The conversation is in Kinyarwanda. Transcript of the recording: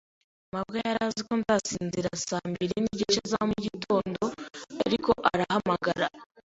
mabwa yari azi ko nzasinzira saa mbiri nigice za mugitondo, ariko arahamagara.